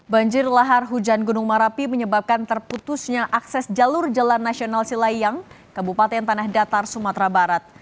banjir lahar hujan gunung merapi menyebabkan terputusnya akses jalur jalan nasional silayang kabupaten tanah datar sumatera barat